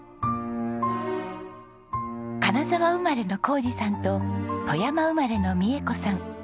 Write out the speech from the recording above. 金沢生まれの宏二さんと富山生まれの美恵子さん。